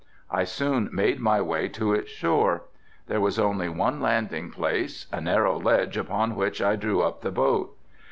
I soon made my way to its shore. There was only one landing place, a narrow ledge upon which I drew up the boat.